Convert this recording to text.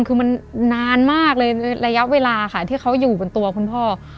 คือมันนานมากเลยระยะเวลาค่ะที่เขาอยู่บนตัวคุณพ่อ